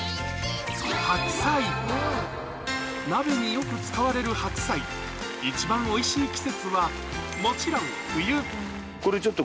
鍋によく使われる白菜一番おいしい季節はもちろんこれちょっと。